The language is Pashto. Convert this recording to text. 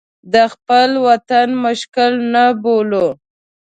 د خپل وطن مشکل نه بولو.